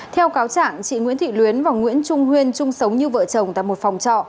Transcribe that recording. theo cáo trạng chị nguyễn thị luyến và nguyễn trung huyên chung sống như vợ chồng tại một phòng trọ